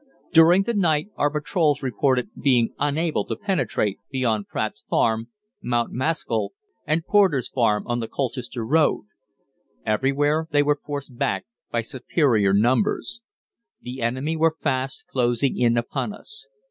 During the night our patrols reported being unable to penetrate beyond Pratt's Farm, Mount Maskell, and Porter's Farm on the Colchester Road. Everywhere they were forced back by superior numbers. The enemy were fast closing in upon us.